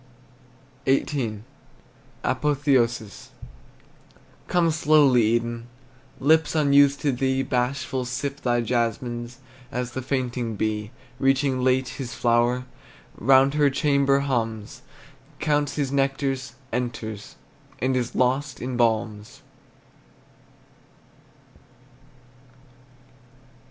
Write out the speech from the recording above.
XVIII. APOTHEOSIS. Come slowly, Eden! Lips unused to thee, Bashful, sip thy jasmines, As the fainting bee, Reaching late his flower, Round her chamber hums, Counts his nectars enters, And is lost in balms!